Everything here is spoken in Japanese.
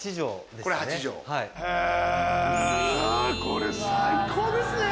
これ最高ですね。